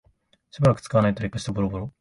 しばらく使わないと劣化してボロボロ